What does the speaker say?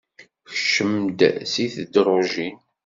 Kcem-d seg tedrujin.